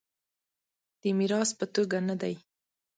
د میراث په توګه نه دی.